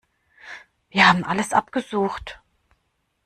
Wir haben alles abgesucht.